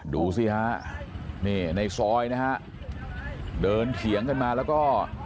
ดูสิฮะนี่ในซอยนะฮะเดินเถียงกันมาแล้วก็